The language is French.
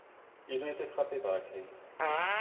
Ils ont été frappé par la crise.